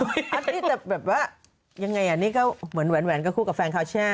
อันนี้จะแบบว่ายังไงอ่ะนี่ก็เหมือนแหวนก็คู่กับแฟนคาแช่